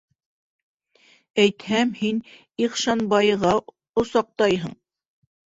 Әйтһәм, һин Ихшанбайыға осаҡтайһың!